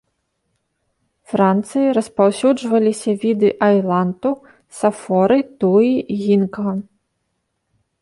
Францыі распаўсюджваліся віды айланту, сафоры, туі, гінкга.